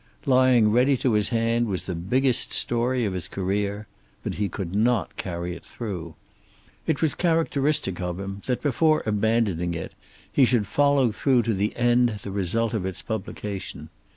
Lying ready to his hand was the biggest story of his career, but he could not carry it through. It was characteristic of him that, before abandoning it, he should follow through to the end the result of its publication.